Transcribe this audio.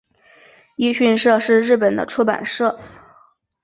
一迅社是日本的出版社。